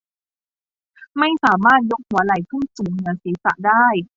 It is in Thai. ไม่สามารถยกหัวไหล่ขึ้นสูงเหนือศีรษะได้